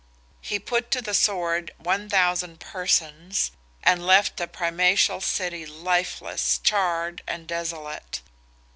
He put to the sword 1,000 persons, and left the primatial city lifeless, charred, and desolate.